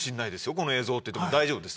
この映像って言っても大丈夫です